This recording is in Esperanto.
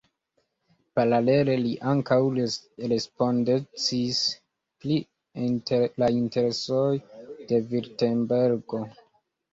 Paralele li ankaŭ respondecis pri la interesoj de Virtembergo.